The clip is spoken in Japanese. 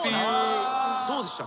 どうでした？